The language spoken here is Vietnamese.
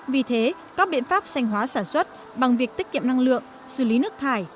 vì thế các biện pháp sanh hóa sản xuất bằng việc tiết kiệm năng lượng xử lý nước thải